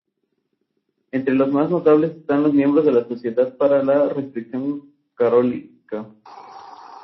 Se trataba de la cuarta ocasión en que el Gran Ducado acogía el evento.